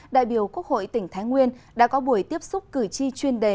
đại biểu quốc hội tỉnh thái nguyên đã có buổi tiếp xúc cử tri chuyên đề